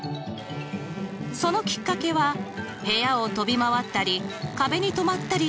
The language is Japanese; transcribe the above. そのきっかけは部屋を飛び回ったり壁に止まったりしている